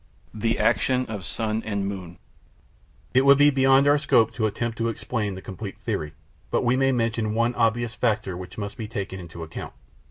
The Action of Sun and Moon It would be beyond our scope to attempt to explain the complete theory, but we may mention one obvious factor which must be taken into account.